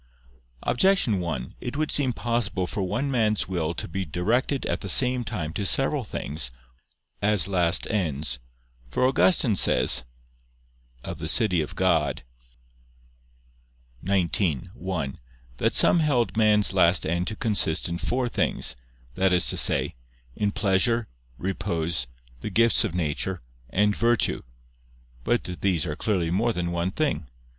Objection 1: It would seem possible for one man's will to be directed at the same time to several things, as last ends. For Augustine says (De Civ. Dei xix, 1) that some held man's last end to consist in four things, viz. "in pleasure, repose, the gifts of nature, and virtue." But these are clearly more than one thing.